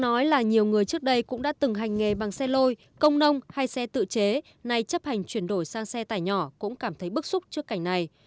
nói là nhiều người trước đây cũng đã từng hành nghề bằng xe lôi công nông hay xe tự chế nay chấp hành chuyển đổi sang xe tải nhỏ cũng cảm thấy bức xúc trước cảnh này